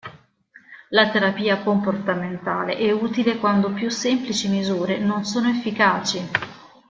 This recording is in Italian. La terapia comportamentale è utile quando più semplici misure non sono efficaci.